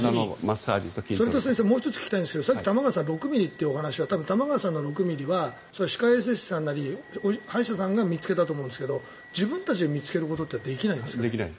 それともう１つ聞きたいんですがさっきの玉川さんの６ｍｍというのは多分、玉川さんの６ｍｍは歯科衛生士さんなり歯医者さんが見つけたと思うんですが自分たちで見つけることはできないです。